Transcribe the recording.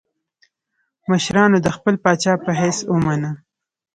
مشرانو د خپل پاچا په حیث ومانه.